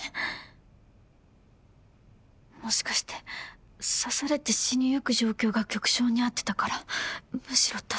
もしかして刺されて死にゆく状況が曲調に合ってたからむしろ助かった？